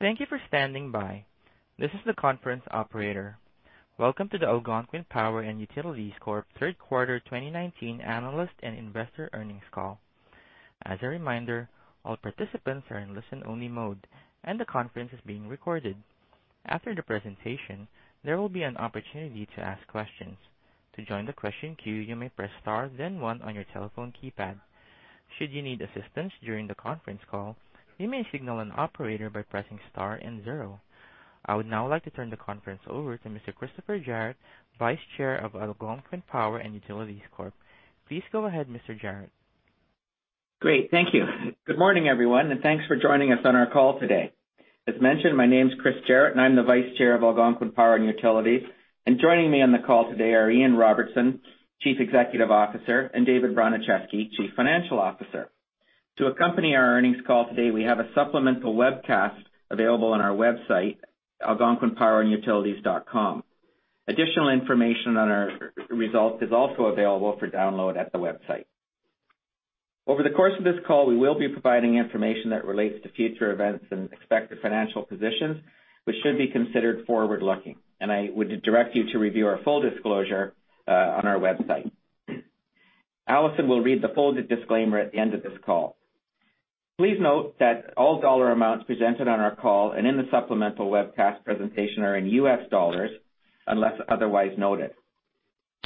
Thank you for standing by. This is the conference operator. Welcome to the Algonquin Power & Utilities Corp. Third Quarter 2019 Analyst and Investor Earnings Call. As a reminder, all participants are in listen-only mode, and the conference is being recorded. After the presentation, there will be an opportunity to ask questions. To join the question queue, you may press star then one on your telephone keypad. Should you need assistance during the conference call, you may signal an operator by pressing star and zero. I would now like to turn the conference over to Mr. Christopher Jarratt, Vice Chair of Algonquin Power & Utilities Corp. Please go ahead, Mr. Jarratt. Great. Thank you. Good morning, everyone, thanks for joining us on our call today. As mentioned, my name's Chris Jarratt, and I'm the Vice Chair of Algonquin Power and Utilities. Joining me on the call today are Ian Robertson, Chief Executive Officer, and David Bronicheski, Chief Financial Officer. To accompany our earnings call today, we have a supplemental webcast available on our website, algonquinpowerandutilities.com. Additional information on our results is also available for download at the website. Over the course of this call, we will be providing information that relates to future events and expected financial positions, which should be considered forward-looking. I would direct you to review our full disclosure on our website. Alison will read the full disclaimer at the end of this call. Please note that all dollar amounts presented on our call and in the supplemental webcast presentation are in US dollars unless otherwise noted.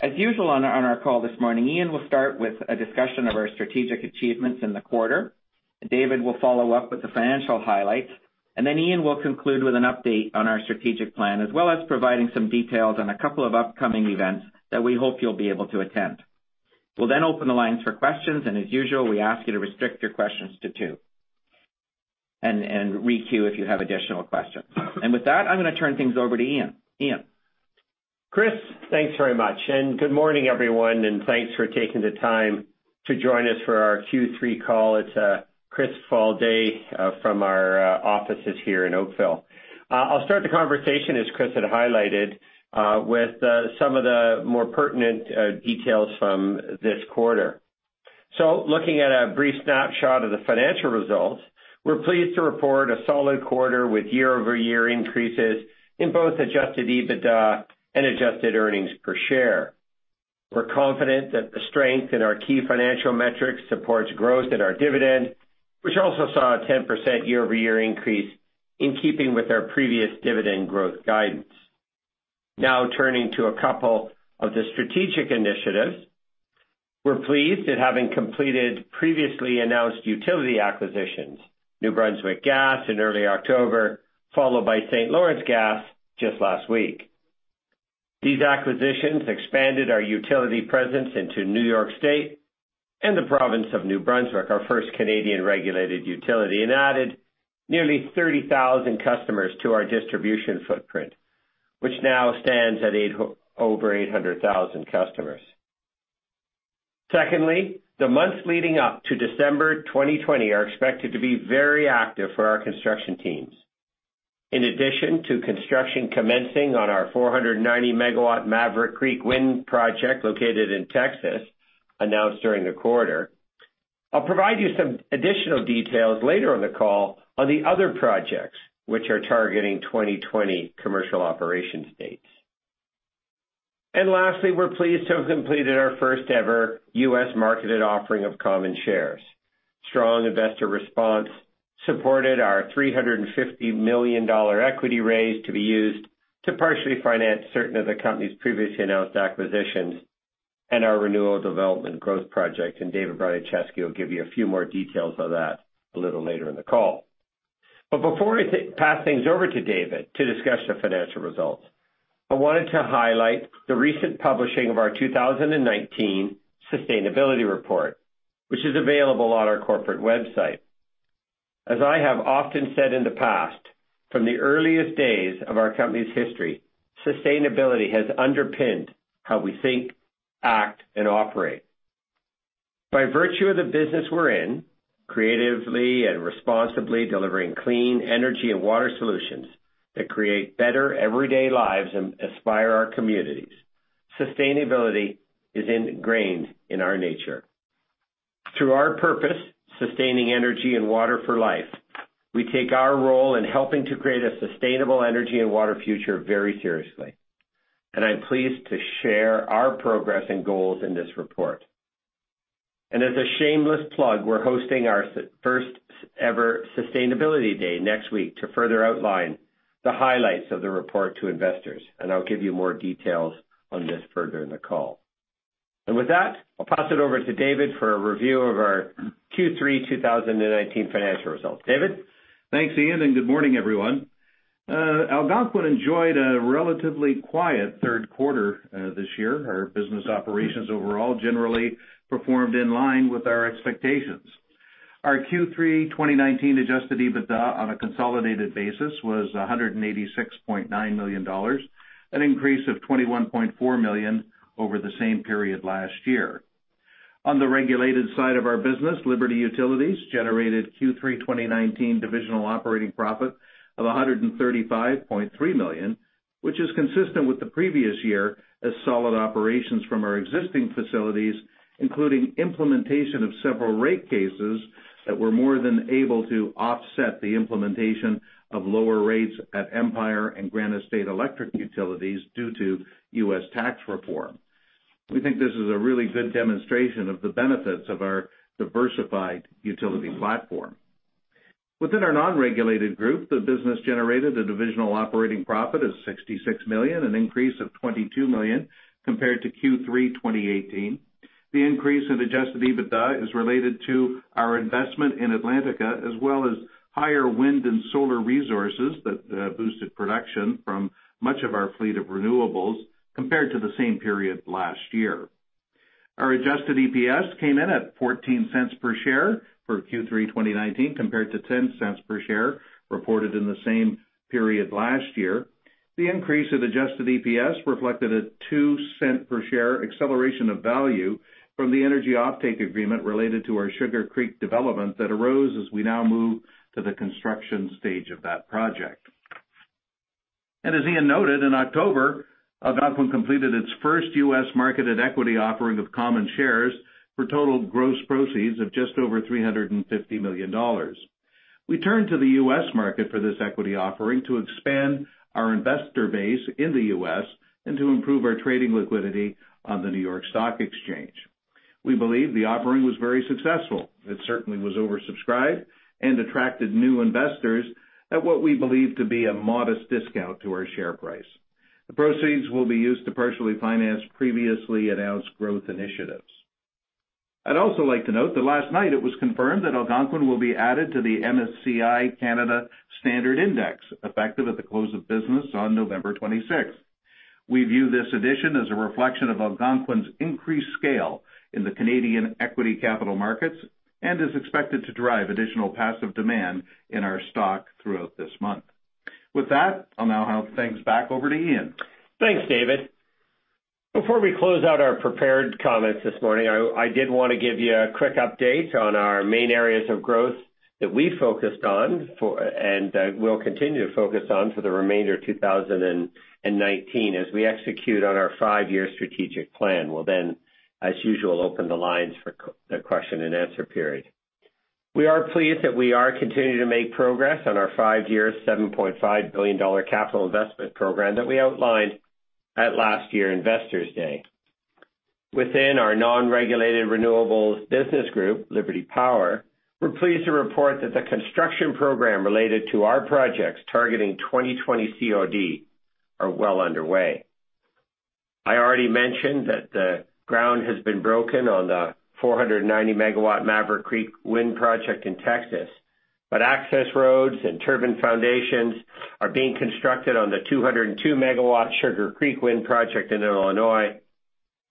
As usual on our call this morning, Ian will start with a discussion of our strategic achievements in the quarter. David will follow up with the financial highlights, and then Ian will conclude with an update on our strategic plan as well as providing some details on a couple of upcoming events that we hope you'll be able to attend. We'll open the lines for questions, and as usual, we ask you to restrict your questions to two. Re-queue if you have additional questions. With that, I'm going to turn things over to Ian. Ian? Chris, thanks very much. Good morning, everyone, and thanks for taking the time to join us for our Q3 call. It's a crisp fall day from our offices here in Oakville. I'll start the conversation, as Chris had highlighted, with some of the more pertinent details from this quarter. Looking at a brief snapshot of the financial results, we're pleased to report a solid quarter with year-over-year increases in both adjusted EBITDA and adjusted earnings per share. We're confident that the strength in our key financial metrics supports growth in our dividend, which also saw a 10% year-over-year increase in keeping with our previous dividend growth guidance. Now turning to a couple of the strategic initiatives. We're pleased at having completed previously announced utility acquisitions, New Brunswick Gas in early October, followed by St. Lawrence Gas just last week. These acquisitions expanded our utility presence into New York State and the province of New Brunswick, our first Canadian regulated utility, and added nearly 30,000 customers to our distribution footprint, which now stands at over 800,000 customers. Secondly, the months leading up to December 2020 are expected to be very active for our construction teams. In addition to construction commencing on our 490-megawatt Maverick Creek Wind project located in Texas, announced during the quarter. I'll provide you some additional details later in the call on the other projects, which are targeting 2020 commercial operation dates. Lastly, we're pleased to have completed our first-ever U.S. marketed offering of common shares. Strong investor response supported our $350 million equity raise to be used to partially finance certain of the company's previously announced acquisitions and our renewable development growth project. David Bronicheski will give you a few more details of that a little later in the call. Before I pass things over to David to discuss the financial results, I wanted to highlight the recent publishing of our 2019 sustainability report, which is available on our corporate website. As I have often said in the past, from the earliest days of our company's history, sustainability has underpinned how we think, act, and operate. By virtue of the business we're in, creatively and responsibly delivering clean energy and water solutions that create better everyday lives and inspire our communities, sustainability is ingrained in our nature. Through our purpose, sustaining energy and water for life, we take our role in helping to create a sustainable energy and water future very seriously. I'm pleased to share our progress and goals in this report. As a shameless plug, we're hosting our first-ever Sustainability Day next week to further outline the highlights of the report to investors, and I'll give you more details on this further in the call. With that, I'll pass it over to David for a review of our Q3 2019 financial results. David? Thanks, Ian, good morning, everyone. Algonquin enjoyed a relatively quiet third quarter this year. Our business operations overall generally performed in line with our expectations. Our Q3 2019 adjusted EBITDA on a consolidated basis was $186.9 million, an increase of $21.4 million over the same period last year. On the regulated side of our business, Liberty Utilities generated Q3 2019 divisional operating profit of $135.3 million, which is consistent with the previous year as solid operations from our existing facilities, including implementation of several rate cases that were more than able to offset the implementation of lower rates at Empire and Granite State Electric due to U.S. tax reform. We think this is a really good demonstration of the benefits of our diversified utility platform. Within our non-regulated group, the business generated a divisional operating profit of $66 million, an increase of $22 million compared to Q3 2018. The increase in adjusted EBITDA is related to our investment in Atlantica, as well as higher wind and solar resources that boosted production from much of our fleet of renewables compared to the same period last year. Our adjusted EPS came in at $0.14 per share for Q3 2019, compared to $0.10 per share reported in the same period last year. The increase of adjusted EPS reflected a $0.02 per share acceleration of value from the energy offtake agreement related to our Sugar Creek development that arose as we now move to the construction stage of that project. As Ian noted, in October, Algonquin completed its first U.S. marketed equity offering of common shares for total gross proceeds of just over $350 million. We turned to the U.S. market for this equity offering to expand our investor base in the U.S. and to improve our trading liquidity on the New York Stock Exchange. We believe the offering was very successful. It certainly was oversubscribed and attracted new investors at what we believe to be a modest discount to our share price. The proceeds will be used to partially finance previously announced growth initiatives. I'd also like to note that last night it was confirmed that Algonquin will be added to the MSCI Canada Standard Index, effective at the close of business on November 26th. We view this addition as a reflection of Algonquin's increased scale in the Canadian equity capital markets and is expected to drive additional passive demand in our stock throughout this month. With that, I'll now hand things back over to Ian. Thanks, David. Before we close out our prepared comments this morning, I did want to give you a quick update on our main areas of growth that we focused on, and will continue to focus on for the remainder of 2019 as we execute on our five-year strategic plan. We'll, as usual, open the lines for the question and answer period. We are pleased that we are continuing to make progress on our five-year, $7.5 billion capital investment program that we outlined at last year's Investor Day. Within our non-regulated renewables business group, Liberty Power, we're pleased to report that the construction program related to our projects targeting 2020 COD are well underway. I already mentioned that the ground has been broken on the 490-megawatt Maverick Creek Wind Project in Texas, but access roads and turbine foundations are being constructed on the 202-megawatt Sugar Creek Wind Project in Illinois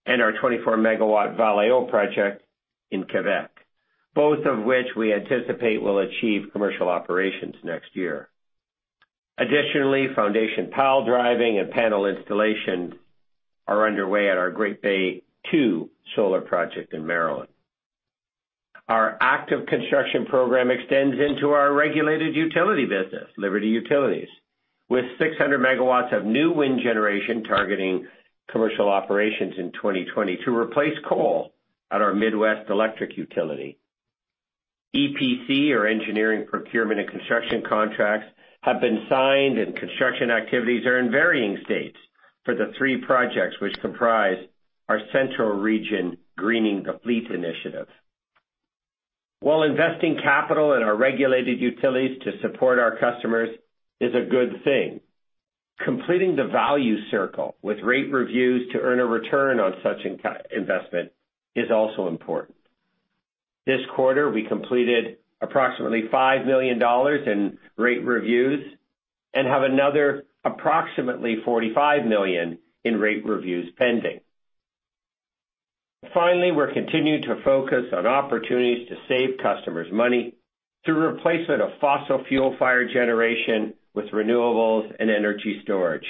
and our 24-megawatt Val-Éo project in Quebec, both of which we anticipate will achieve commercial operations next year. Additionally, foundation pile driving and panel installation are underway at our Great Bay Solar II solar project in Maryland. Our active construction program extends into our regulated utility business, Liberty Utilities. With 600 megawatts of new wind generation targeting commercial operations in 2020 to replace coal at our Midwest electric utility, EPC or engineering procurement and construction contracts have been signed and construction activities are in varying states for the three projects which comprise our central region Greening the Fleet initiative. While investing capital in our regulated utilities to support our customers is a good thing, completing the value circle with rate reviews to earn a return on such investment is also important. This quarter, we completed approximately $5 million in rate reviews and have another approximately $45 million in rate reviews pending. Finally, we're continuing to focus on opportunities to save customers money through replacement of fossil fuel-fired generation with renewables and energy storage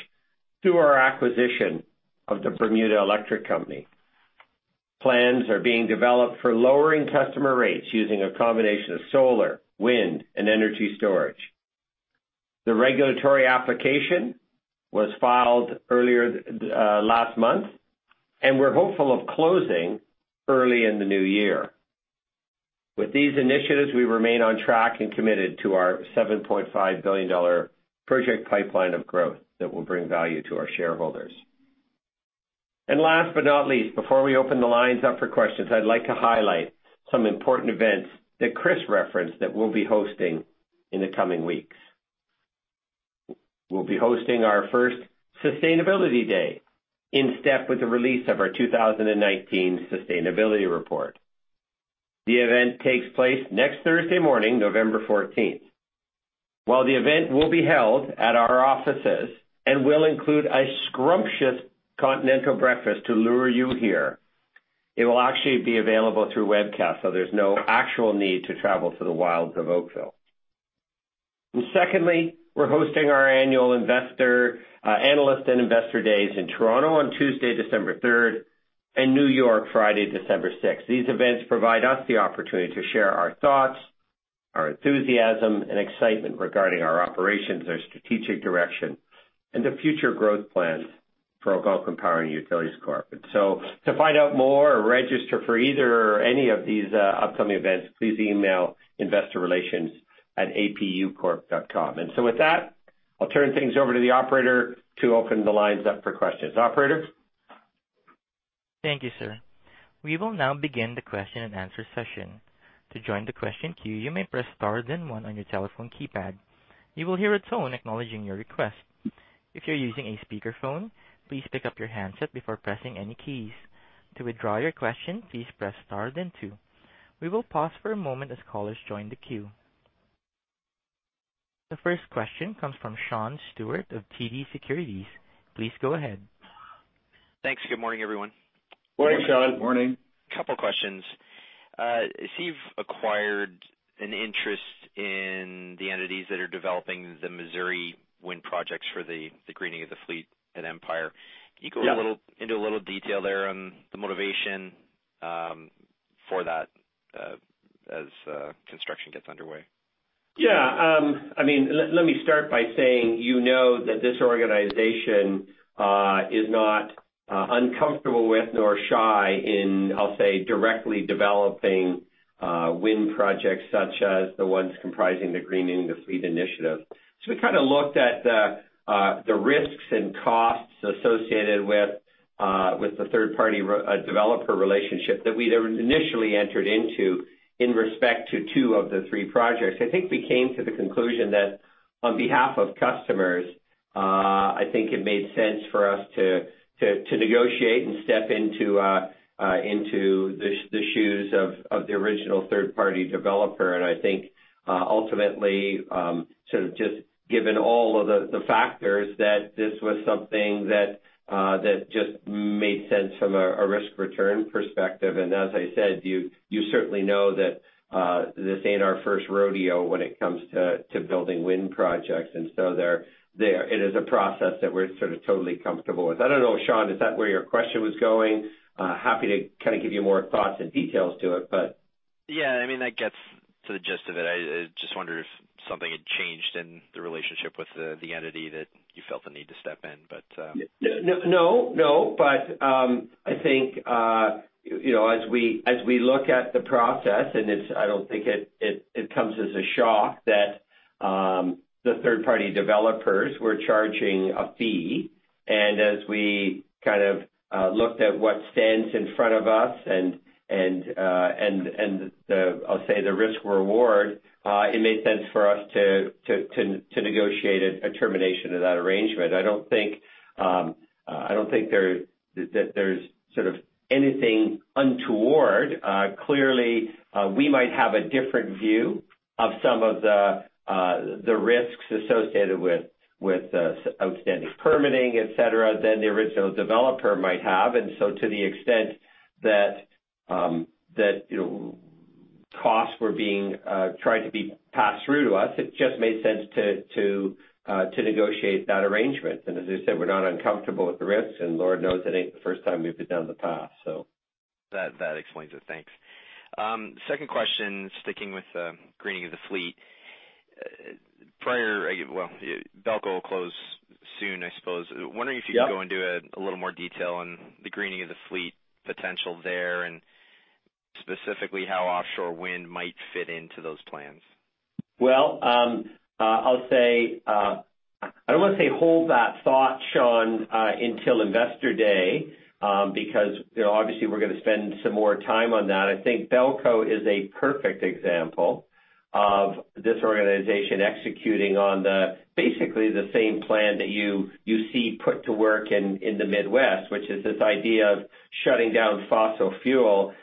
through our acquisition of the Bermuda Electric Company. Plans are being developed for lowering customer rates using a combination of solar, wind, and energy storage. The regulatory application was filed earlier last month, and we're hopeful of closing early in the new year. With these initiatives, we remain on track and committed to our $7.5 billion project pipeline of growth that will bring value to our shareholders. Last but not least, before we open the lines up for questions, I'd like to highlight some important events that Chris referenced that we'll be hosting in the coming weeks. We'll be hosting our first Sustainability Day in step with the release of our 2019 sustainability report. The event takes place next Thursday morning, November 14th. While the event will be held at our offices and will include a scrumptious continental breakfast to lure you here, it will actually be available through webcast, so there's no actual need to travel to the wilds of Oakville. Secondly, we're hosting our annual Analyst and Investor Days in Toronto on Tuesday, December 3rd, and New York, Friday, December 6th. These events provide us the opportunity to share our thoughts, our enthusiasm, and excitement regarding our operations, our strategic direction, and the future growth plans for Algonquin Power & Utilities Corp. To find out more or register for either or any of these upcoming events, please email investorrelations@apucorp.com. With that, I'll turn things over to the operator to open the lines up for questions. Operator? Thank you, sir. We will now begin the question and answer session. To join the question queue, you may press star then one on your telephone keypad. You will hear a tone acknowledging your request. If you're using a speakerphone, please pick up your handset before pressing any keys. To withdraw your question, please press star then two. We will pause for a moment as callers join the queue. The first question comes from Sean Steuart of TD Securities. Please go ahead. Thanks. Good morning, everyone. Morning, Sean. Morning. Couple questions. I see you've acquired an interest in the entities that are developing the Missouri wind projects for the Greening the Fleet at Empire. Yeah. Can you go into a little detail there on the motivation for that as construction gets underway? Yeah. Let me start by saying, you know that this organization is not uncomfortable with nor shy in, I'll say, directly developing wind projects such as the ones comprising the Greening the Fleet initiative. We kind of looked at the risks and costs associated with the third-party developer relationship that we'd initially entered into in respect to two of the three projects. I think we came to the conclusion that on behalf of customers, I think it made sense for us to negotiate and step into the shoes of the original third-party developer. I think, ultimately, sort of just given all of the factors, that this was something that just made sense from a risk-return perspective. As I said, you certainly know that this ain't our first rodeo when it comes to building wind projects. It is a process that we're sort of totally comfortable with. I don't know, Sean, is that where your question was going? Happy to kind of give you more thoughts and details to it. Yeah. I mean, that gets to the gist of it. I just wonder if something had changed in the relationship with the entity that you felt the need to step in, but. No. I think as we look at the process, I don't think it comes as a shock that the third-party developers were charging a fee. As we kind of looked at what stands in front of us and I'll say the risk reward, it made sense for us to negotiate a termination of that arrangement. I don't think that there's sort of anything untoward. Clearly, we might have a different view of some of the risks associated with outstanding permitting, et cetera, than the original developer might have. To the extent that costs were being tried to be passed through to us, it just made sense to negotiate that arrangement. As I said, we're not uncomfortable with the risks, and Lord knows, it ain't the first time we've been down the path. That explains it. Thanks. Second question, sticking with the Greening the Fleet. Well, BELCO will close soon, I suppose. Yeah. Wondering if you can go into a little more detail on the Greening the Fleet potential there, and specifically how offshore wind might fit into those plans? I don't want to say hold that thought, Sean, until Investor Day, because obviously we're going to spend some more time on that. I think BELCO is a perfect example of this organization executing on basically the same plan that you see put to work in the Midwest, which is this idea of shutting down fossil fuel in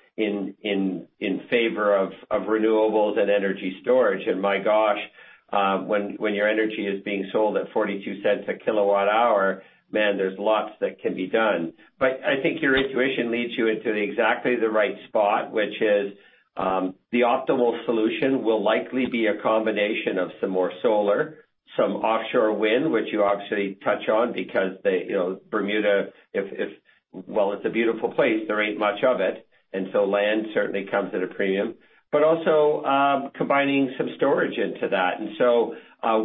favor of renewables and energy storage. My gosh, when your energy is being sold at $0.42 a kilowatt-hour, man, there's lots that can be done. I think your intuition leads you into exactly the right spot, which is the optimal solution will likely be a combination of some more solar, some offshore wind, which you obviously touch on because Bermuda, while it's a beautiful place, there ain't much of it, and so land certainly comes at a premium, also combining some storage into that.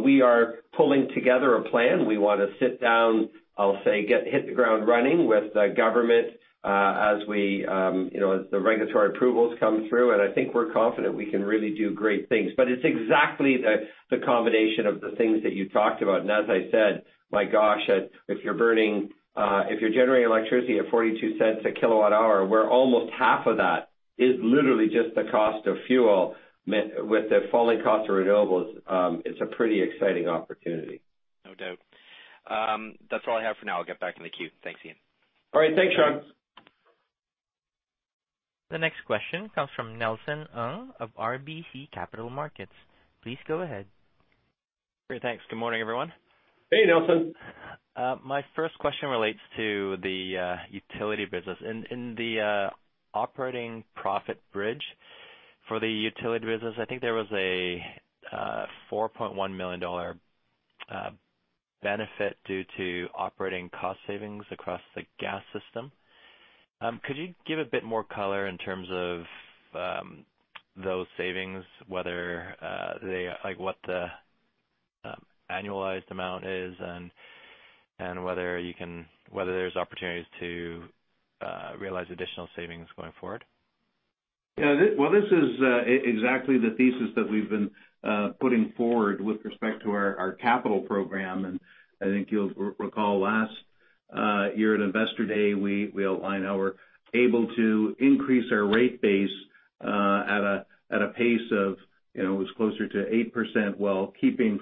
We are pulling together a plan. We want to sit down, I'll say hit the ground running with the government as the regulatory approvals come through, and I think we're confident we can really do great things. It's exactly the combination of the things that you talked about. As I said, my gosh, if you're generating electricity at $0.42 a kilowatt-hour, where almost half of that is literally just the cost of fuel with the falling cost of renewables, it's a pretty exciting opportunity. No doubt. That's all I have for now. I'll get back in the queue. Thanks, Ian. All right. Thanks, Sean. The next question comes from Nelson Ng of RBC Capital Markets. Please go ahead. Great. Thanks. Good morning, everyone. Hey, Nelson. My first question relates to the utility business. In the operating profit bridge for the utility business, I think there was a $4.1 million benefit due to operating cost savings across the gas system. Could you give a bit more color in terms of those savings, like what the annualized amount is and whether there's opportunities to realize additional savings going forward? Yeah. Well, this is exactly the thesis that we've been putting forward with respect to our capital program. I think you'll recall last year at Investor Day, we outlined how we're able to increase our rate base at a pace of, it was closer to 8%, while keeping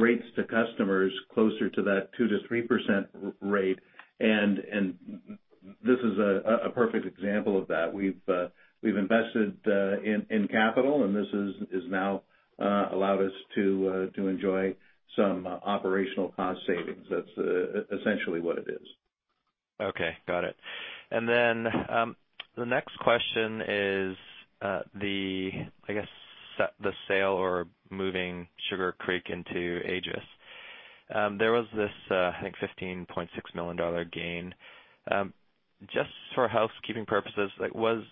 rates to customers closer to that 2%-3% rate. This is a perfect example of that. We've invested in capital, and this has now allowed us to enjoy some operational cost savings. That's essentially what it is. Okay. Got it. The next question is the sale or moving Sugar Creek into AAGES. There was this, I think, $15.6 million gain. Just for housekeeping purposes, was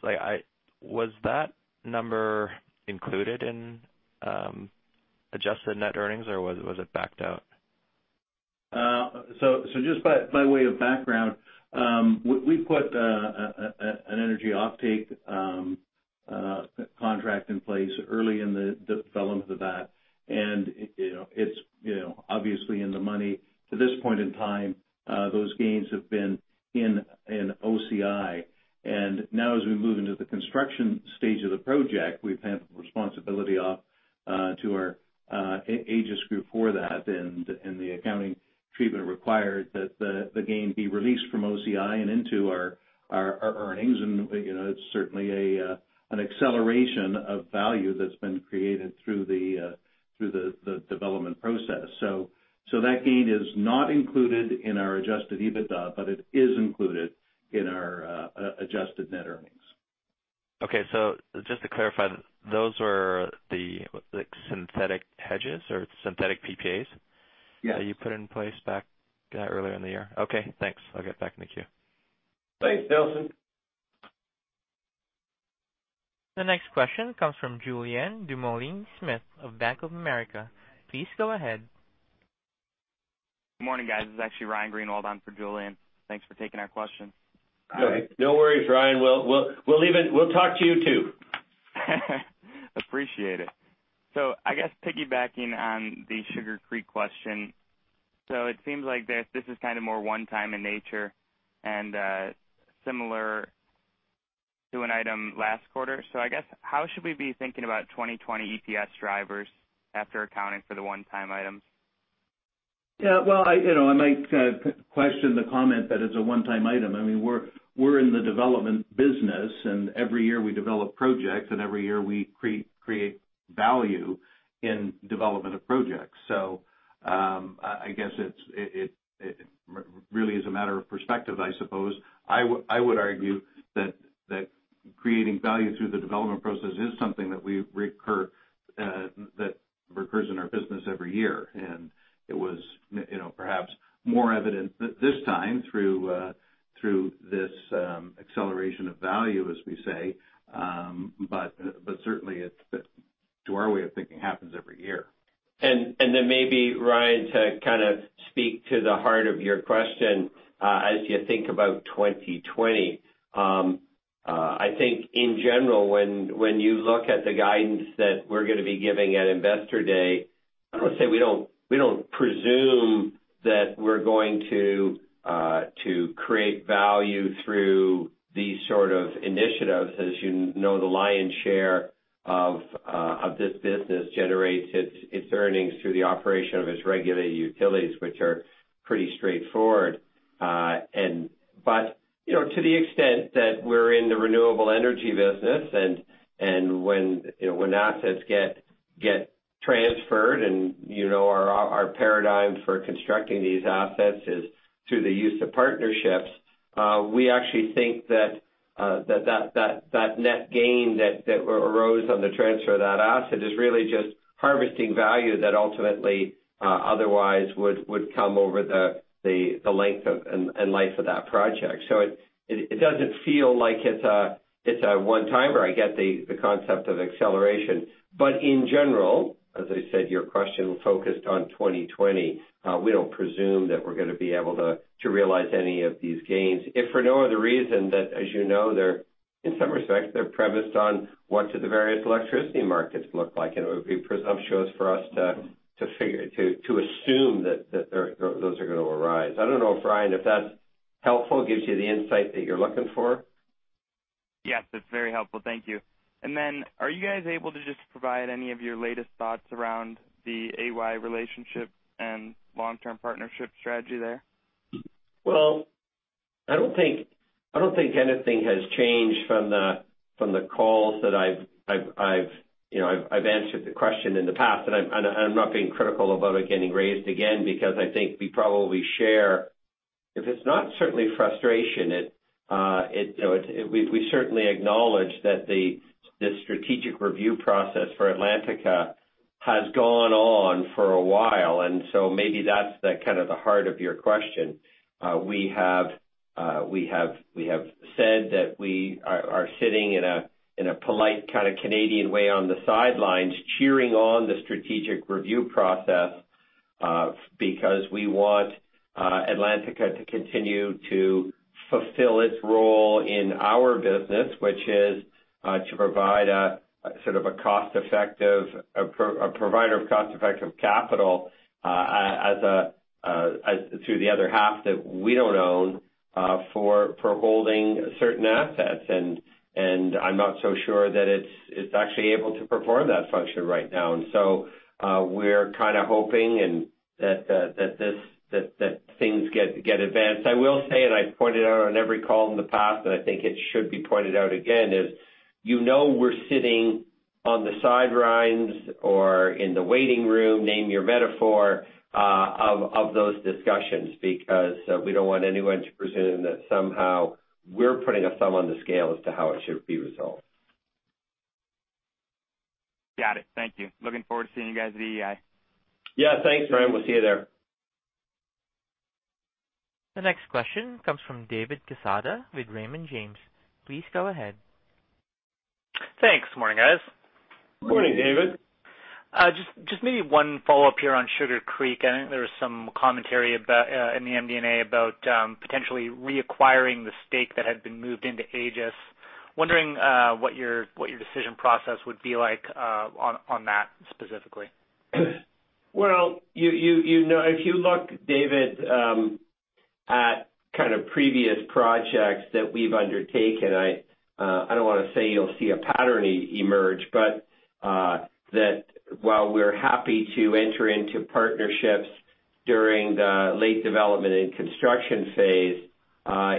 that number included in adjusted net earnings or was it backed out? Just by way of background, we put an energy offtake contract in place early in the development of that, and it's obviously in the money. To this point in time, those gains have been in OCI. Now as we move into the construction stage of the project, we've handed the responsibility off to our AAGES group for that. The accounting treatment required that the gain be released from OCI and into our earnings, and it's certainly an acceleration of value that's been created through the development process. That gain is not included in our adjusted EBITDA, but it is included in our adjusted net earnings. Okay. Just to clarify, those were the synthetic hedges or synthetic PPAs. Yeah that you put in place back earlier in the year. Okay, thanks. I'll get back in the queue. Thanks, Nelson. The next question comes from Julien Dumoulin-Smith of Bank of America. Please go ahead. Good morning, guys. This is actually Ryan Greenwald on for Julien. Thanks for taking our question. No worries, Ryan. We'll talk to you too. Appreciate it. I guess piggybacking on the Sugar Creek question. It seems like this is kind of more one-time in nature and similar to an item last quarter. I guess, how should we be thinking about 2020 EPS drivers after accounting for the one-time items? Yeah. Well, I might question the comment that it's a one-time item. We're in the development business, and every year we develop projects, and every year we create value in development of projects. I guess it really is a matter of perspective, I suppose. I would argue that creating value through the development process is something that recurs in our business every year. It was perhaps more evident this time through this acceleration of value, as we say. Certainly it, to our way of thinking, happens every year. Maybe, Ryan, to kind of speak to the heart of your question, as you think about 2020, I think in general, when you look at the guidance that we're going to be giving at Investor Day, I would say we don't presume that we're going to create value through these sort of initiatives. As you know, the lion's share of this business generates its earnings through the operation of its regulated utilities, which are pretty straightforward. To the extent that we're in the renewable energy business, and when assets get transferred and our paradigm for constructing these assets is through the use of partnerships, we actually think that net gain that arose on the transfer of that asset is really just harvesting value that ultimately, otherwise would come over the length and life of that project. It doesn't feel like it's a one-timer. I get the concept of acceleration. In general, as I said, your question focused on 2020. We don't presume that we're going to be able to realize any of these gains, if for no other reason that as you know, in some respects, they're premised on what do the various electricity markets look like? It would be presumptuous for us to assume that those are going to arise. I don't know, Ryan, if that's helpful, gives you the insight that you're looking for. Yes, that's very helpful. Thank you. Are you guys able to just provide any of your latest thoughts around the AY relationship and long-term partnership strategy there? Well- I don't think anything has changed from the calls that I've answered the question in the past. I'm not being critical about it getting raised again, I think we probably share, if it's not certainly frustration, we certainly acknowledge that the strategic review process for Atlantica has gone on for a while. Maybe that's the heart of your question. We have said that we are sitting in a polite kind of Canadian way on the sidelines, cheering on the strategic review process. We want Atlantica to continue to fulfill its role in our business, which is to provide a provider of cost-effective capital to the other half that we don't own for holding certain assets. I'm not so sure that it's actually able to perform that function right now. We're kind of hoping that things get advanced. I will say, and I pointed out on every call in the past, and I think it should be pointed out again, is you know we're sitting on the sidelines or in the waiting room, name your metaphor, of those discussions, because we don't want anyone to presume that somehow we're putting a thumb on the scale as to how it should be resolved. Got it. Thank you. Looking forward to seeing you guys at the EI. Yeah. Thanks, Ryan. We'll see you there. The next question comes from David Quezada with Raymond James. Please go ahead. Thanks. Morning, guys. Morning, David. Maybe one follow-up here on Sugar Creek. I think there was some commentary in the MD&A about potentially reacquiring the stake that had been moved into AAGES. Wondering what your decision process would be like on that specifically? Well, if you look, David, at kind of previous projects that we've undertaken, I don't want to say you'll see a pattern emerge, but that while we're happy to enter into partnerships during the late development and construction phase,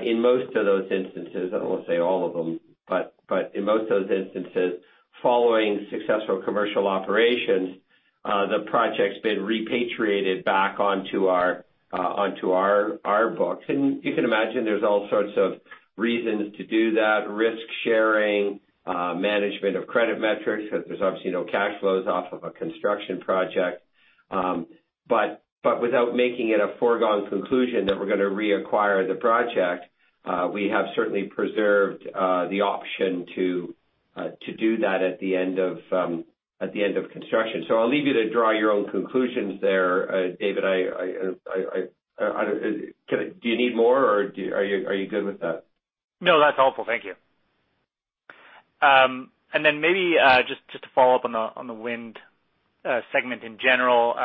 in most of those instances, I won't say all of them, but in most of those instances, following successful commercial operations, the project's been repatriated back onto our books. You can imagine there's all sorts of reasons to do that. Risk-sharing, management of credit metrics, because there's obviously no cash flows off of a construction project. Without making it a foregone conclusion that we're going to reacquire the project, we have certainly preserved the option to do that at the end of construction. I'll leave you to draw your own conclusions there, David. Do you need more, or are you good with that? No, that's helpful. Thank you. Maybe just to follow up on the wind segment in general,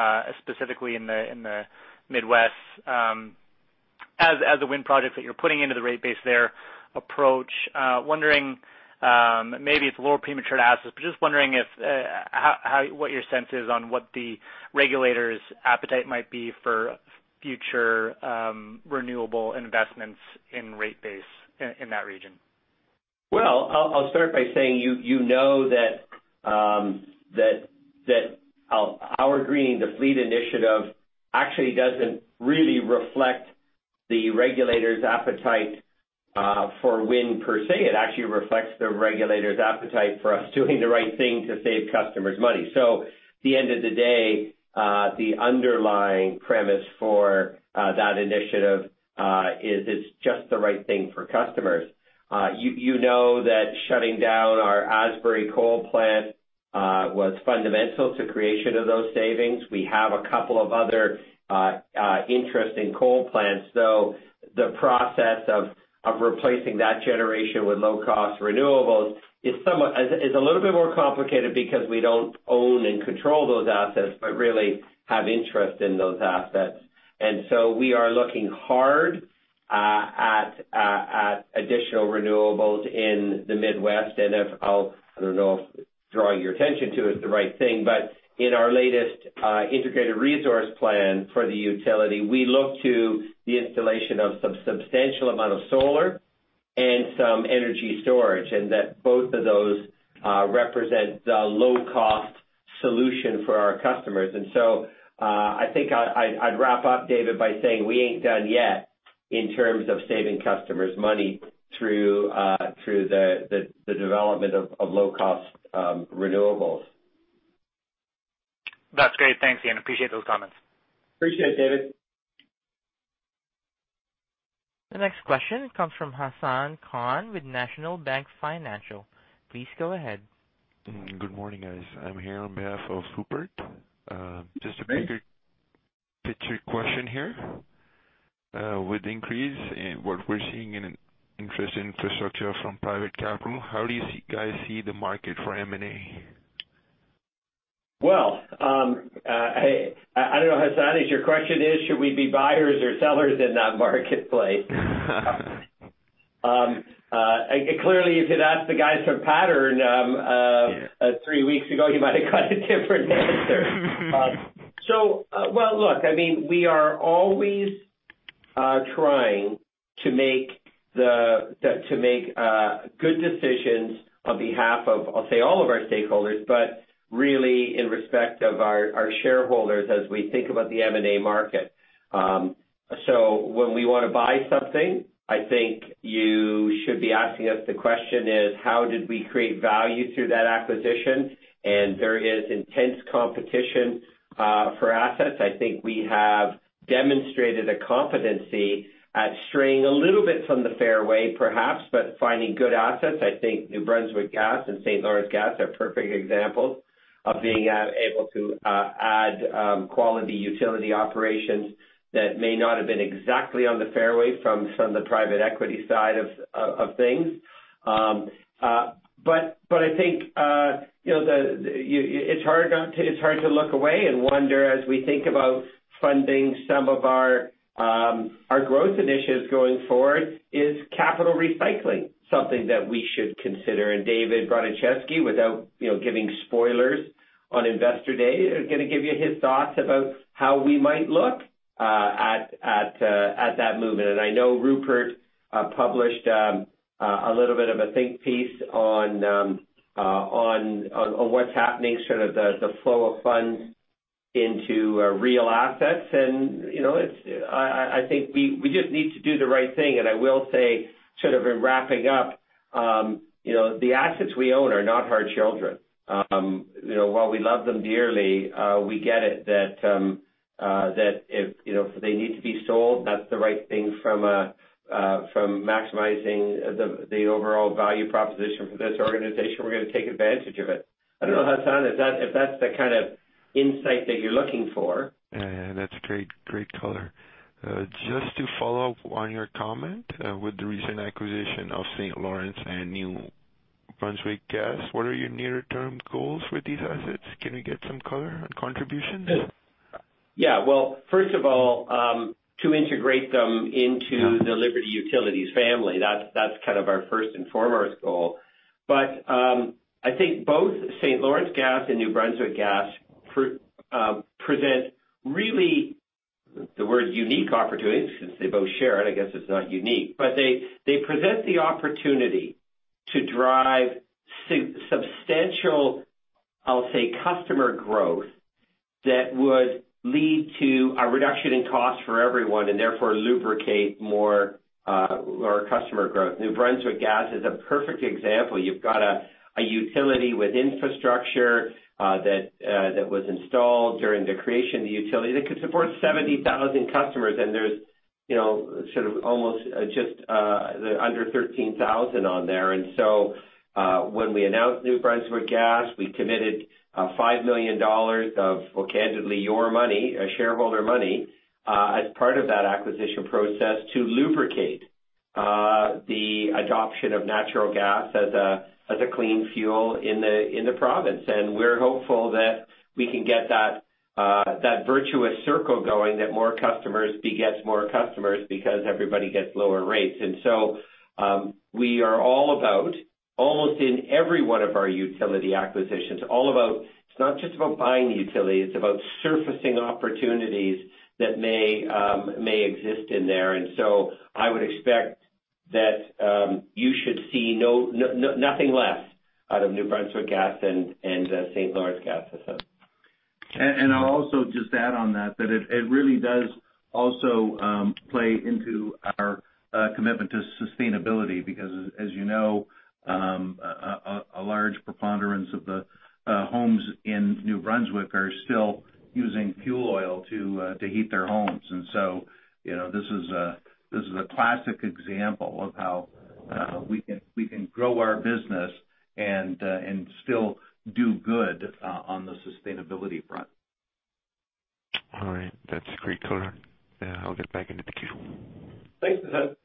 specifically in the Midwest, as the wind projects that you're putting into the rate base there approach, wondering, maybe it's a little premature to ask this, but just wondering what your sense is on what the regulators' appetite might be for future renewable investments in rate base in that region. I'll start by saying you know that our Greening the Fleet initiative actually doesn't really reflect the regulators' appetite for wind per se. It actually reflects the regulators' appetite for us doing the right thing to save customers money. At the end of the day, the underlying premise for that initiative is it's just the right thing for customers. You know that shutting down our Asbury coal plant was fundamental to creation of those savings. We have a couple of other interesting coal plants, so the process of replacing that generation with low-cost renewables is a little bit more complicated because we don't own and control those assets, but really have interest in those assets. We are looking hard at additional renewables in the Midwest. I don't know if drawing your attention to it is the right thing, but in our latest integrated resource plan for the utility, we look to the installation of some substantial amount of solar and some energy storage, and that both of those represent a low-cost solution for our customers. I think I'd wrap up, David, by saying we ain't done yet in terms of saving customers money through the development of low-cost renewables. That's great. Thanks, Ian. Appreciate those comments. Appreciate it, David. The next question comes from Hassaan Khan with National Bank Financial. Please go ahead. Good morning, guys. I'm here on behalf of Rupert. Great. Just a bigger picture question here. With the increase in what we're seeing in interest in infrastructure from private capital, how do you guys see the market for M&A? Well, I don't know, Hassaan. Is your question is should we be buyers or sellers in that marketplace? Clearly if you'd asked the guys from Pattern 3 weeks ago, you might have got a different answer. Well, look, we are always trying to make good decisions on behalf of, I'll say all of our stakeholders, but really in respect of our shareholders as we think about the M&A market. So when we want to buy something, I think you should be asking us the question is, how did we create value through that acquisition? There is intense competition for assets. I think we have demonstrated a competency at straying a little bit from the fairway, perhaps, but finding good assets. I think New Brunswick Gas and St. Lawrence Gas are perfect examples of being able to add quality utility operations that may not have been exactly on the fairway from some of the private equity side of things. I think it's hard to look away and wonder as we think about funding some of our growth initiatives going forward, is capital recycling something that we should consider? David Bronicheski, without giving spoilers on Investor Day, is going to give you his thoughts about how we might look at that movement. I know Rupert published a little bit of a think piece on what's happening, sort of the flow of funds into real assets. I think we just need to do the right thing. I will say, sort of in wrapping up, the assets we own are not our children. While we love them dearly, we get it that if they need to be sold, and that's the right thing from maximizing the overall value proposition for this organization, we're going to take advantage of it. I don't know, Hassaan, if that's the kind of insight that you're looking for? Yeah. That's great color. Just to follow up on your comment. With the recent acquisition of St. Lawrence and New Brunswick Gas, what are your near-term goals for these assets? Can I get some color on contributions? Well, first of all, to integrate them into. Yeah the Liberty Utilities family. That's kind of our first and foremost goal. I think both St. Lawrence Gas and New Brunswick Gas present really unique opportunity, since they both share it, I guess it's not unique. They present the opportunity to drive substantial, I'll say, customer growth that would lead to a reduction in cost for everyone, and therefore lubricate more customer growth. New Brunswick Gas is a perfect example. You've got a utility with infrastructure that was installed during the creation of the utility that could support 70,000 customers, and there's almost just under 13,000 on there. When we announced New Brunswick Gas, we committed $5 million of, well, candidly, your money, shareholder money, as part of that acquisition process to lubricate the adoption of natural gas as a clean fuel in the province. We're hopeful that we can get that virtuous circle going, that more customers begets more customers because everybody gets lower rates. We are all about, almost in every one of our utility acquisitions, all about, it's not just about buying utility, it's about surfacing opportunities that may exist in there. I would expect that you should see nothing less out of New Brunswick Gas and St. Lawrence Gas System. I'll also just add on that it really does also play into our commitment to sustainability, because as you know, a large preponderance of the homes in New Brunswick are still using fuel oil to heat their homes. This is a classic example of how we can grow our business and still do good on the sustainability front. All right. That's great color. I'll get back into the queue. Thanks, Hassaan.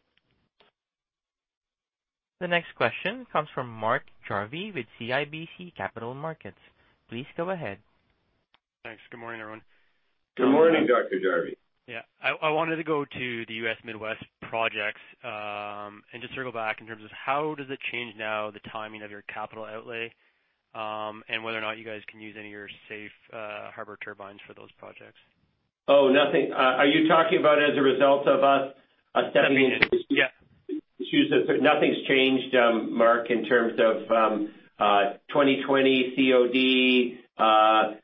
The next question comes from Mark Jarvi with CIBC Capital Markets. Please go ahead. Thanks. Good morning, everyone. Good morning, Dr. Jarvi. Yeah. I wanted to go to the U.S. Midwest projects, and just circle back in terms of how does it change now the timing of your capital outlay, and whether or not you guys can use any of your safe harbor turbines for those projects? Oh, nothing. Are you talking about as a result of us stepping in- Yeah. Nothing's changed, Mark, in terms of 2020 COD.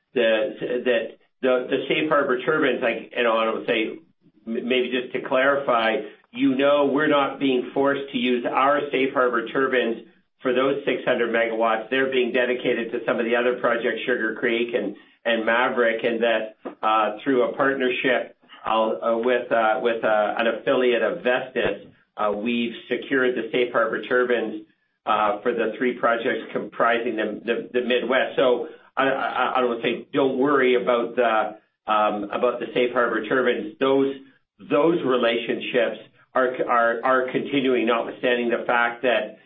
The safe harbor turbines, and I would say, maybe just to clarify, you know we're not being forced to use our safe harbor turbines for those 600 megawatts. They're being dedicated to some of the other projects, Sugar Creek and Maverick. That through a partnership with an affiliate of Vestas, we've secured the safe harbor turbines for the three projects comprising the Midwest. I would say don't worry about the safe harbor turbines. Those relationships are continuing, notwithstanding the fact that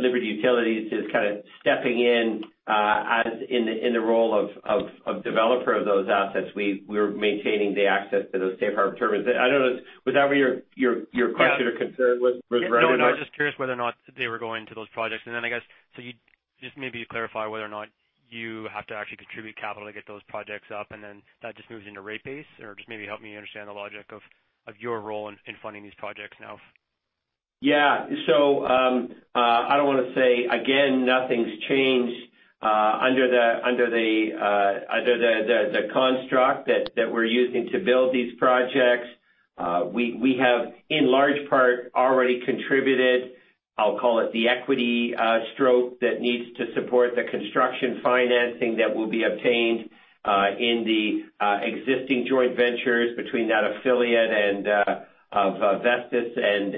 Liberty Utilities is kind of stepping in, as in the role of developer of those assets. We're maintaining the access to those safe harbor turbines. I don't know. Was that what your question or concern was regarding that? I'm just curious whether or not they were going to those projects. I guess, just maybe clarify whether or not you have to actually contribute capital to get those projects up, and then that just moves into rate base? Just maybe help me understand the logic of your role in funding these projects now. I don't want to say, again, nothing's changed under the construct that we're using to build these projects. We have, in large part, already contributed, I'll call it the equity stroke that needs to support the construction financing that will be obtained, in the existing joint ventures between that affiliate and Vestas and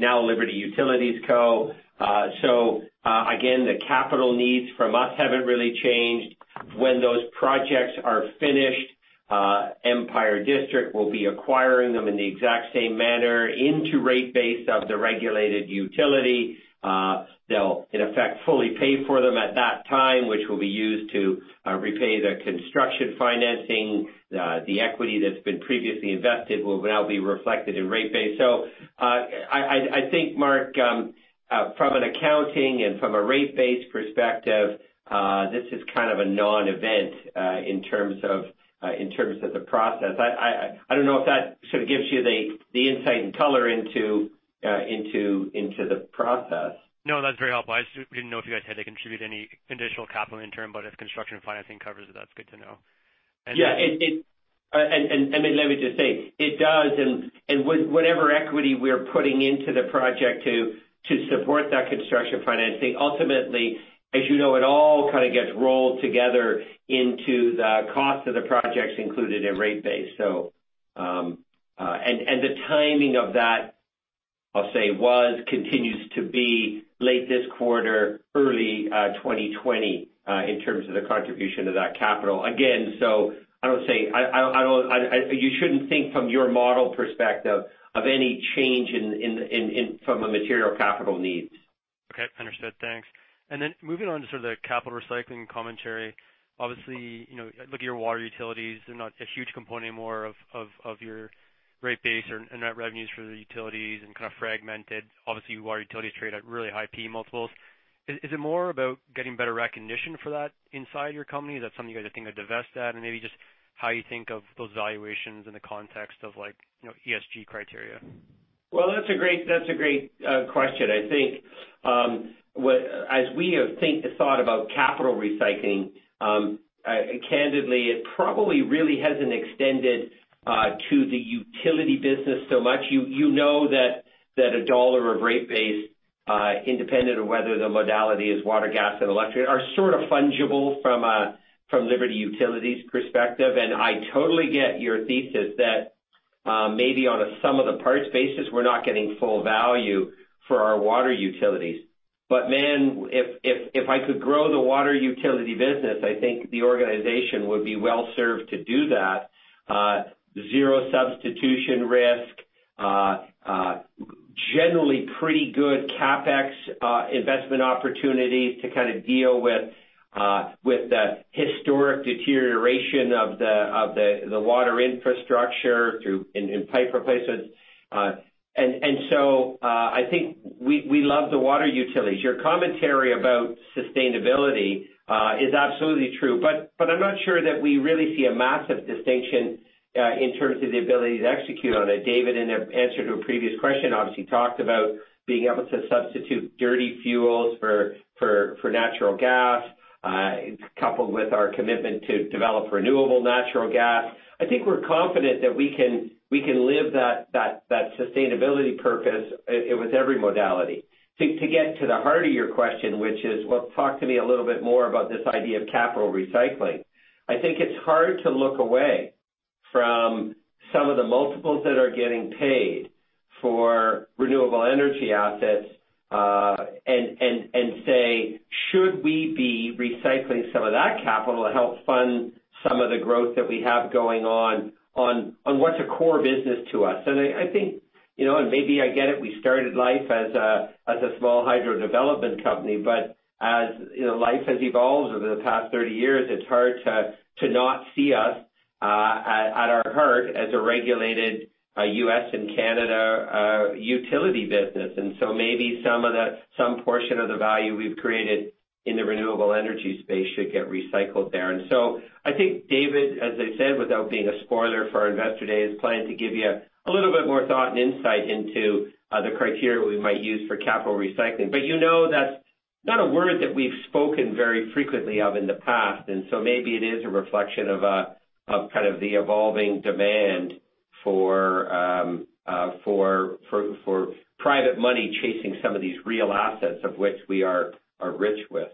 now Liberty Utilities Co. Again, the capital needs from us haven't really changed. When those projects are finished, Empire District will be acquiring them in the exact same manner into rate base of the regulated utility. They'll, in effect, fully pay for them at that time, which will be used to repay the construction financing. The equity that's been previously invested will now be reflected in rate base. I think, Mark, from an accounting and from a rate base perspective, this is kind of a non-event, in terms of the process. I don't know if that sort of gives you the insight and color into the process. No, that's very helpful. I just didn't know if you guys had to contribute any additional capital in term, but if construction financing covers it, that's good to know. Yeah. Let me just say, it does, and whatever equity we're putting into the project to support that construction financing, ultimately, as you know, it all kind of gets rolled together into the cost of the projects included in rate base. The timing of that, I'll say, continues to be late this quarter, early 2020, in terms of the contribution of that capital. Again, you shouldn't think from your model perspective of any change from a material capital needs. Okay, understood. Thanks. Moving on to sort of the capital recycling commentary. Obviously, looking at your water utilities, they're not a huge component anymore of your rate base or net revenues for the utilities and kind of fragmented. Obviously, water utilities trade at really high P/E multiples. Is it more about getting better recognition for that inside your company? Is that something you guys are thinking to divest at? Maybe just how you think of those valuations in the context of ESG criteria. Well, that's a great question. I think, as we have thought about capital recycling, candidly, it probably really hasn't extended to the utility business so much. You know that a dollar of rate base, independent of whether the modality is water, gas, and electric, are sort of fungible from Liberty Utilities perspective. I totally get your thesis that maybe on a sum of the parts basis, we're not getting full value for our water utilities. Man, if I could grow the water utility business, I think the organization would be well-served to do that. Zero substitution risk. Generally pretty good CapEx investment opportunities to kind of deal with the historic deterioration of the water infrastructure through pipe replacements. I think we love the water utilities. Your commentary about sustainability is absolutely true. I'm not sure that we really see a massive distinction in terms of the ability to execute on it. David, in an answer to a previous question, obviously talked about being able to substitute dirty fuels for natural gas. It's coupled with our commitment to develop renewable natural gas. I think we're confident that we can live that sustainability purpose with every modality. To get to the heart of your question, which is, well, talk to me a little bit more about this idea of capital recycling. I think it's hard to look away from some of the multiples that are getting paid for renewable energy assets, and say, "Should we be recycling some of that capital to help fund some of the growth that we have going on what's a core business to us?" I think, and maybe I get it, we started life as a small hydro development company, but as life has evolved over the past 30 years, it's hard to not see us at our heart as a regulated U.S. and Canada utility business. Maybe some portion of the value we've created in the renewable energy space should get recycled there. I think David, as I said, without being a spoiler for our Investor Day, is planning to give you a little bit more thought and insight into the criteria we might use for capital recycling. You know that's not a word that we've spoken very frequently of in the past. Maybe it is a reflection of kind of the evolving demand for private money chasing some of these real assets of which we are rich with.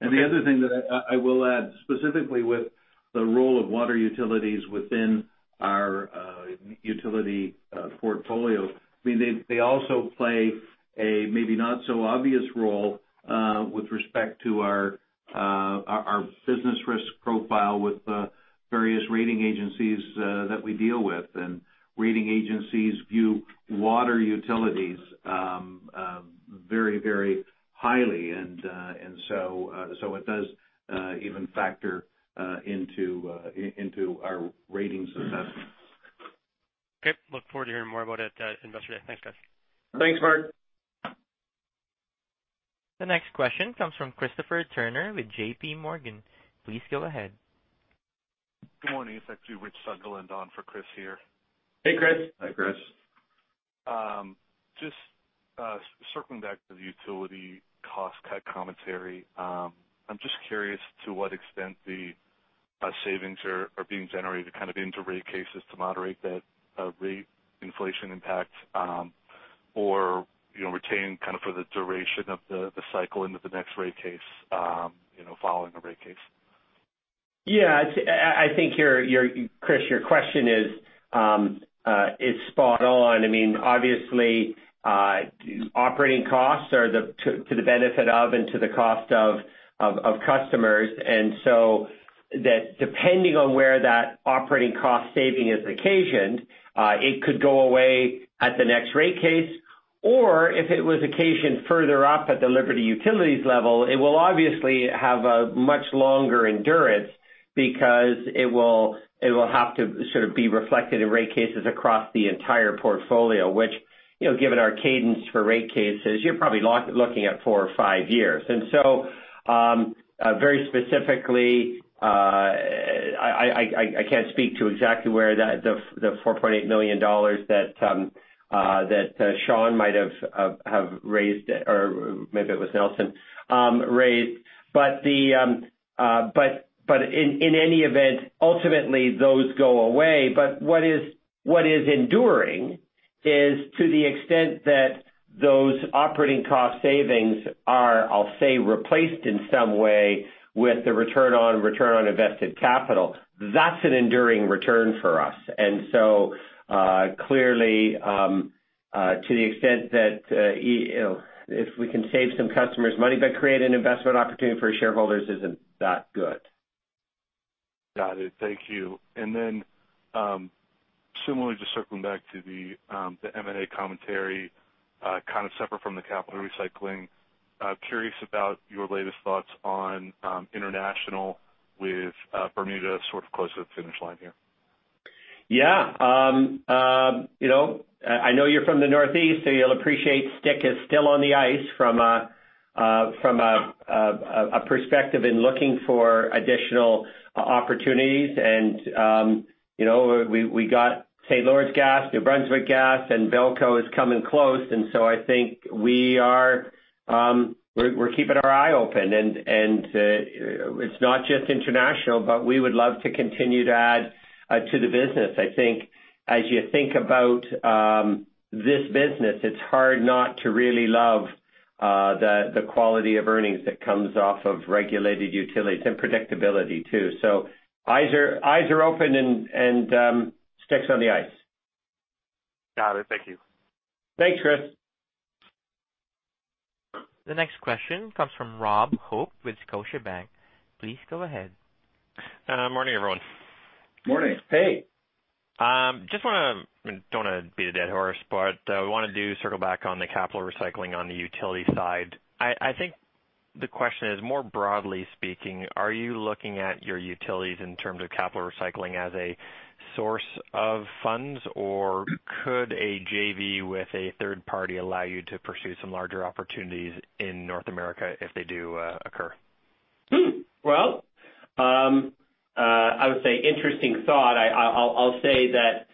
The other thing that I will add, specifically with the role of water utilities within our utility portfolio. They also play a maybe not so obvious role with respect to our business risk profile with the various rating agencies that we deal with. Rating agencies view water utilities- Very, very highly. It does even factor into our ratings assessment. Okay. Look forward to hearing more about it at Investor Day. Thanks, guys. Thanks, Mark. The next question comes from Christopher Turnure with JPMorgan. Please go ahead. Good morning. It's actually Rich Sunderland on for Chris here. Hey, Chris. Hi, Chris. Just circling back to the utility cost-cut commentary. I'm just curious to what extent the savings are being generated kind of into rate cases to moderate that rate inflation impact, or retained kind of for the duration of the cycle into the next rate case, following the rate case. Yeah. I think, Chris, your question is spot on. Obviously, operating costs are to the benefit of and to the cost of customers. Depending on where that operating cost saving is occasioned, it could go away at the next rate case, or if it was occasioned further up at the Liberty Utilities level, it will obviously have a much longer endurance because it will have to sort of be reflected in rate cases across the entire portfolio, which, given our cadence for rate cases, you're probably looking at four or five years. Very specifically, I can't speak to exactly where the $4.8 million that Sean might have raised, or maybe it was Nelson, raised. In any event, ultimately those go away. What is enduring is to the extent that those operating cost savings are, I'll say, replaced in some way with the return on invested capital. That's an enduring return for us. Clearly, to the extent that if we can save some customers money but create an investment opportunity for shareholders, isn't that good? Got it. Thank you. Similarly, just circling back to the M&A commentary, kind of separate from the capital recycling. Curious about your latest thoughts on international with Bermuda sort of close to the finish line here. Yeah. I know you're from the Northeast, so you'll appreciate stick is still on the ice from a perspective in looking for additional opportunities. We got St. Lawrence Gas, New Brunswick Gas, and BELCO is coming close. I think we're keeping our eye open. It's not just international, but we would love to continue to add to the business. I think as you think about this business, it's hard not to really love the quality of earnings that comes off of regulated utilities and predictability, too. Eyes are open and stick's on the ice. Got it. Thank you. Thanks, Chris. The next question comes from Rob Hope with Scotiabank. Please go ahead. Morning, everyone. Morning. Hey. Don't want to beat a dead horse, we want to circle back on the capital recycling on the utility side. I think the question is more broadly speaking, are you looking at your utilities in terms of capital recycling as a source of funds, or could a JV with a third party allow you to pursue some larger opportunities in North America if they do occur? Well, I would say interesting thought. I'll say that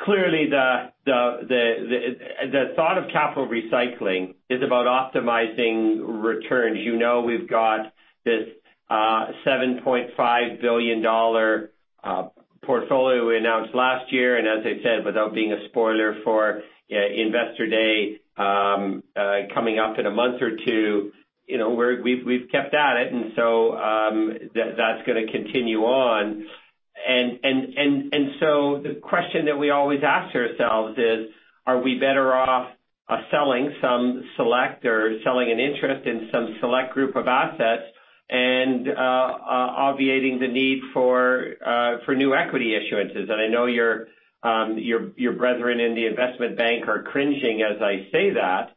clearly the thought of capital recycling is about optimizing returns. You know, we've got this $7.5 billion portfolio we announced last year, and as I said, without being a spoiler for Investor Day coming up in a month or two, we've kept at it, and so that's going to continue on. The question that we always ask ourselves is, are we better off selling some select or selling an interest in some select group of assets and obviating the need for new equity issuances? I know your brethren in the investment bank are cringing as I say that,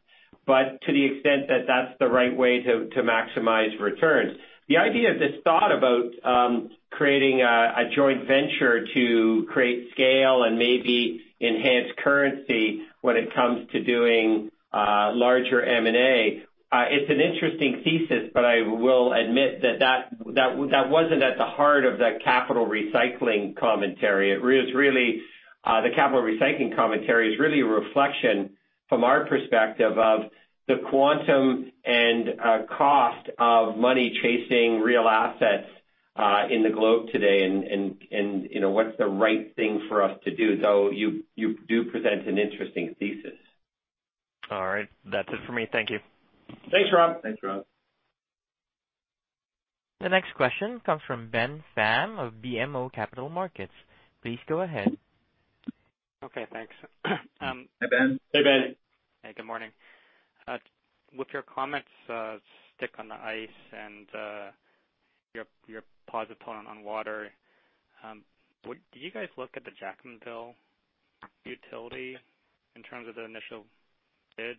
but to the extent that that's the right way to maximize returns. The idea, this thought about creating a joint venture to create scale and maybe enhance currency when it comes to doing larger M&A, it's an interesting thesis, but I will admit that wasn't at the heart of the capital recycling commentary. The capital recycling commentary is really a reflection from our perspective of the quantum and cost of money chasing real assets in the globe today and what's the right thing for us to do, though you do present an interesting thesis. All right. That's it for me. Thank you. Thanks, Rob. Thanks, Rob. The next question comes from Ben Pham of BMO Capital Markets. Please go ahead. Okay, thanks. Hi, Ben. Hey, Ben. Hey, good morning. With your comments, stick on the ice. Your positive tone on water. Do you guys look at the Jacksonville utility in terms of their initial bids?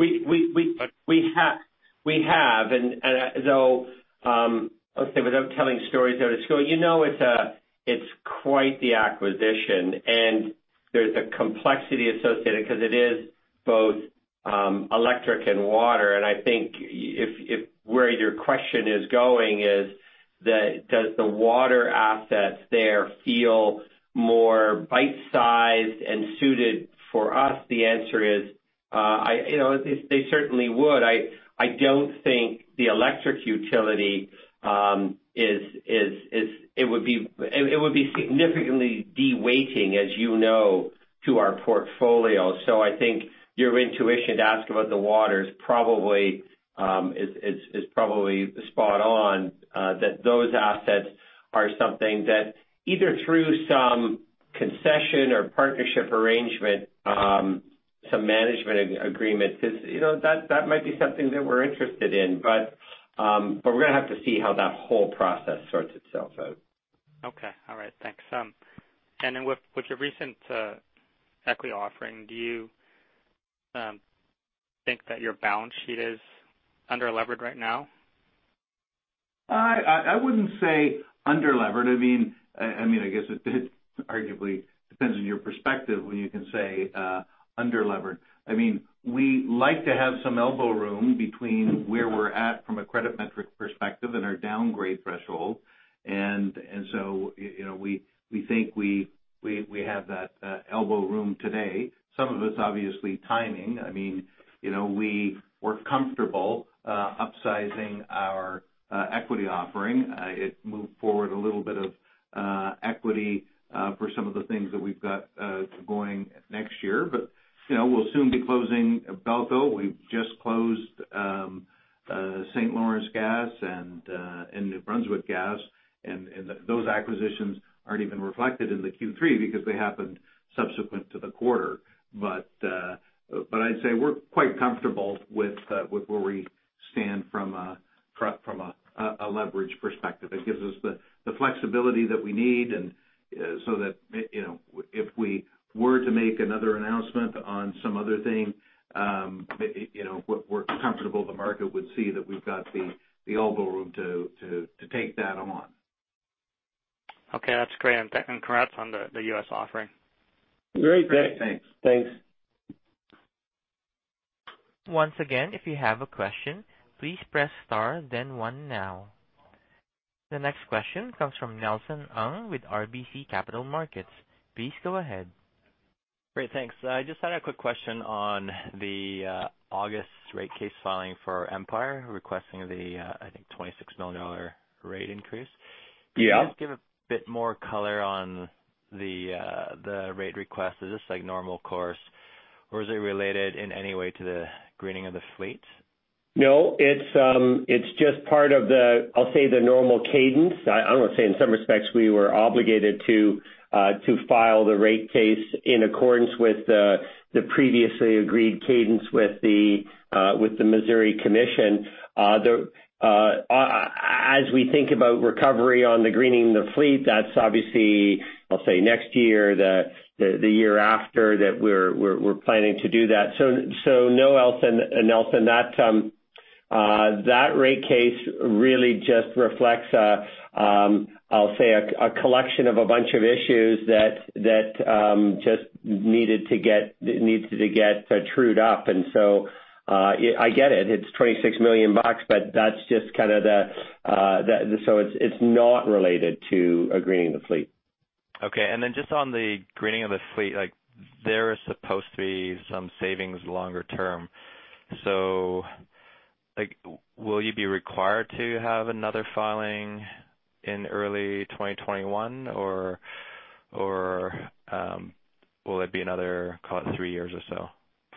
We have, though, I'll say without telling stories there to school. You know it's quite the acquisition, and there's a complexity associated because it is both electric and water. I think where your question is going is that does the water assets there feel more bite-sized and suited for us? The answer is, they certainly would. I don't think the electric utility would be significantly de-weighting, as you know, to our portfolio. I think your intuition to ask about the water is probably spot on, that those assets are something that either through some concession or partnership arrangement, some management agreement, that might be something that we're interested in. We're going to have to see how that whole process sorts itself out. Okay. All right. Thanks. Then with your recent equity offering, do you think that your balance sheet is under-levered right now? I wouldn't say under-levered. I guess it arguably depends on your perspective when you can say under-levered. We like to have some elbow room between where we're at from a credit metric perspective and our downgrade threshold. We think we have that elbow room today. Some of it's obviously timing. We're comfortable upsizing our equity offering. It moved forward a little bit of equity for some of the things that we've got going next year. We'll soon be closing BELCO. We've just closed St. Lawrence Gas and New Brunswick Gas. Those acquisitions aren't even reflected in the Q3 because they happened subsequent to the quarter. I'd say we're quite comfortable with where we stand from a leverage perspective. It gives us the flexibility that we need, so that if we were to make another announcement on some other thing, we're comfortable the market would see that we've got the elbow room to take that on. Okay. That's great. Congrats on the U.S. offering. Great. Thanks. Thanks. Once again, if you have a question, please press star then one now. The next question comes from Nelson Ng with RBC Capital Markets. Please go ahead. Great. Thanks. I just had a quick question on the August rate case filing for Empire, requesting the, I think, $26 million rate increase. Yeah. Can you just give a bit more color on the rate request? Is this like normal course or is it related in any way to the Greening the Fleet? No. It's just part of the, I'll say the normal cadence. I want to say in some respects, we were obligated to file the rate case in accordance with the previously agreed cadence with the Missouri Commission. As we think about recovery on the Greening the Fleet, that's obviously, I'll say, next year, the year after that we're planning to do that. No, Nelson. That rate case really just reflects, I'll say a collection of a bunch of issues that just needed to get trued up. I get it. It's $26 million, so it's not related to Greening the Fleet. Okay. Just on the Greening the Fleet, there is supposed to be some savings longer term. Will you be required to have another filing in early 2021, or will it be another, call it three years or so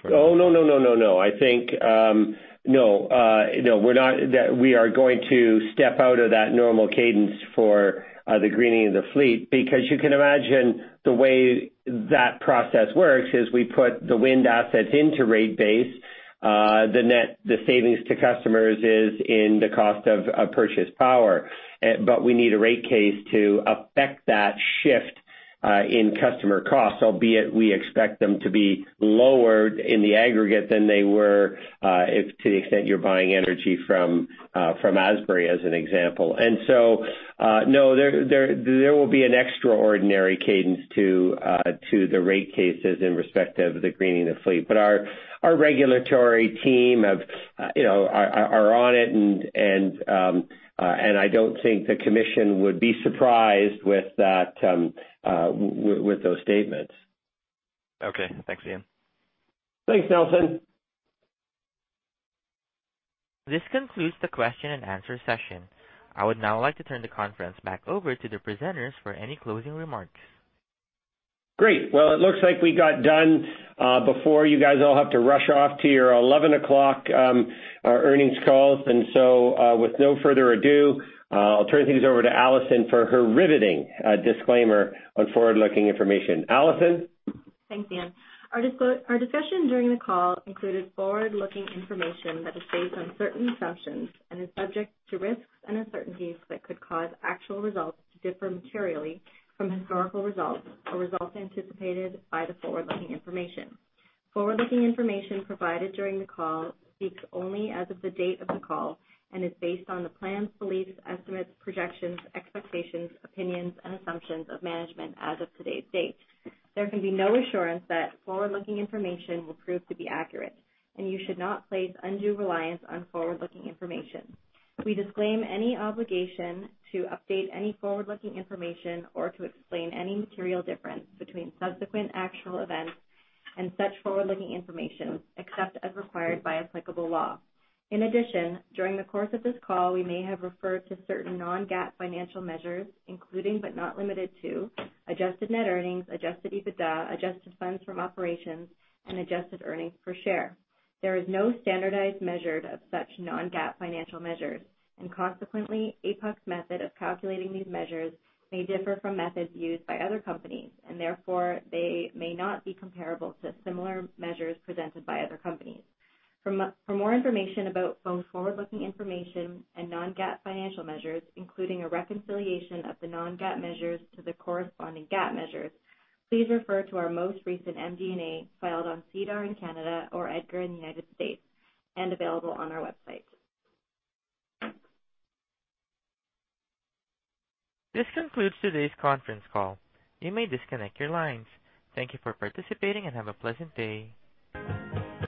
from now? Oh, no. I think, no. We are going to step out of that normal cadence for the Greening the Fleet, because you can imagine the way that process works is we put the wind assets into rate base. The savings to customers is in the cost of purchased power. We need a rate case to affect that shift in customer costs, albeit we expect them to be lower in the aggregate than they were to the extent you're buying energy from Asbury, as an example. No, there will be an extraordinary cadence to the rate cases in respect of the Greening the Fleet. Our regulatory team are on it, and I don't think the commission would be surprised with those statements. Okay. Thanks, Ian. Thanks, Nelson. This concludes the question and answer session. I would now like to turn the conference back over to the presenters for any closing remarks. Great. Well, it looks like we got done before you guys all have to rush off to your 11:00 A.M. earnings calls. With no further ado, I'll turn things over to Alison for her riveting disclaimer on forward-looking information. Alison? Thanks, Ian. Our discussion during the call included forward-looking information that is based on certain assumptions and is subject to risks and uncertainties that could cause actual results to differ materially from historical results or results anticipated by the forward-looking information. Forward-looking information provided during the call speaks only as of the date of the call and is based on the plans, beliefs, estimates, projections, expectations, opinions, and assumptions of management as of today's date. There can be no assurance that forward-looking information will prove to be accurate, and you should not place undue reliance on forward-looking information. We disclaim any obligation to update any forward-looking information or to explain any material difference between subsequent actual events and such forward-looking information, except as required by applicable law. In addition, during the course of this call, we may have referred to certain non-GAAP financial measures, including but not limited to adjusted net earnings, adjusted EBITDA, adjusted funds from operations, and adjusted earnings per share. There is no standardized measure of such non-GAAP financial measures, and consequently, APUC's method of calculating these measures may differ from methods used by other companies and therefore, they may not be comparable to similar measures presented by other companies. For more information about both forward-looking information and non-GAAP financial measures, including a reconciliation of the non-GAAP measures to the corresponding GAAP measures, please refer to our most recent MD&A filed on SEDAR in Canada or EDGAR in the United States, and available on our website. This concludes today's conference call. You may disconnect your lines. Thank you for participating and have a pleasant day.